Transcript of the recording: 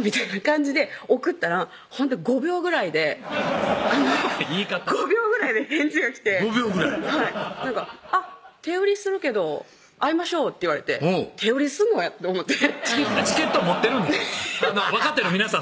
みたいな感じで送ったらほんと５秒ぐらいで言い方５秒ぐらいで返事が来て５秒ぐらい「あっ手売りするけど会いましょう」って言われて手売りすんのやって思ってチケット持ってるんです若手の皆さん